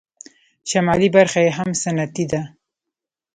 شمالي برخه یې هم صنعتي ده.